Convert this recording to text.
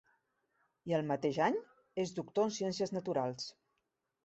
I el mateix any, és doctor en ciències naturals.